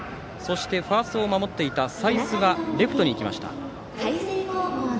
ファーストを守っていた才須がレフトに行きました。